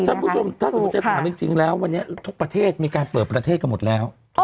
ถ้าสมมุติถามจริงจริงแล้ววันนี้ทุกประเทศมีการเปิดประเทศกันหมดแล้ว